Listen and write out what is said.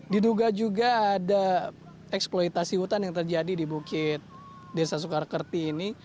diduga juga ada eksploitasi hutan yang terjadi di bukit desa soekarti ini